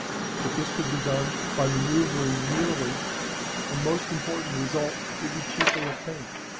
If this could be done by manoeuvering merely, a most important result would be cheaply obtained.